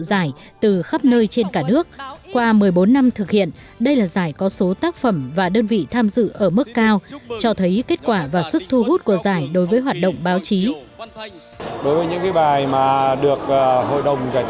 giải từ khắp nơi trên cả nước qua một mươi bốn năm thực hiện đây là giải có số tác phẩm và đơn vị tham dự ở mức cao cho thấy kết quả và sức thu hút của giải đối với hoạt động báo chí